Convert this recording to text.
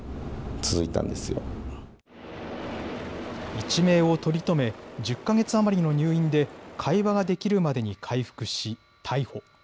一命を取り留め１０か月余りの入院で会話ができるまでに回復し逮捕。